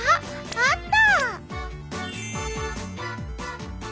あった。